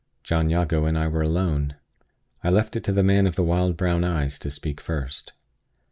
John Jago and I were alone. I left it to the man of the wild brown eyes to speak first.